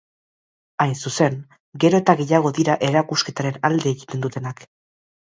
Hain zuzen, gero eta gehiago dira errausketaren alde egiten dutenak.